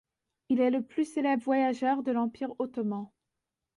Il est le plus célèbre voyageur de l'Empire ottoman.